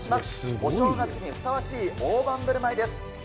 お正月にふさわしい大盤ぶるまいです。